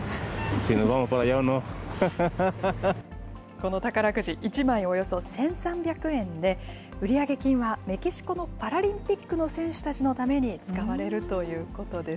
この宝くじ、１枚およそ１３００円で、売上金はメキシコのパラリンピックの選手たちのために使われるということです。